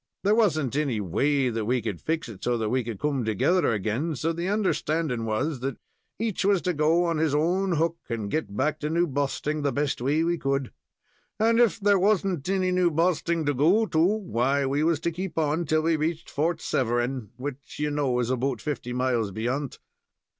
There wasn't any way that we could fix it so that we could come together again, so the understanding was that each was to go on his own hook, and get back to New Bosting the best way we could, and if there was n't any New Bosting to go to, why, we was to keep on till we reached Fort Severn, which, you know is about fifty miles beyant.